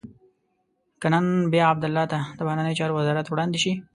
که نن بیا عبدالله ته د بهرنیو چارو وزارت وړاندې شي.